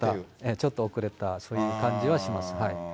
ちょっと遅れた、そういう感じはします。